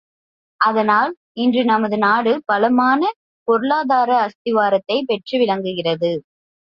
அதனால், இன்று நமது நாடு பலமான பொருளாதார அஸ்திவாரத்தைப் பெற்று விளங்குகிறது.